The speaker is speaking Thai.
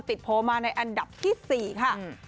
โพลมาในอันดับที่๔ค่ะ